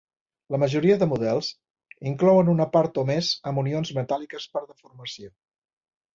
La majoria de models inclouen una part o més amb unions metàl·liques per deformació.